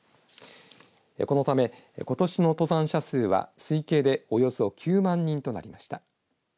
このためことしの登山者数は推計でおよそ９万人となりました。